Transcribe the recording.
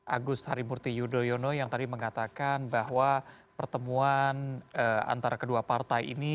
agus harimurti yudhoyono yang tadi mengatakan bahwa pertemuan antara kedua partai ini